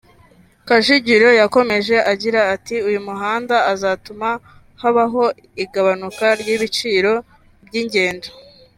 Kajugiro yakomeje agira ati ”Uyu muhanda uzatuma habaho igabanuka ry’ibiciro by’ingendo